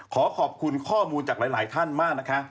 ขอขอบคุณข้อมูลจากหลายท่านมากนะคะ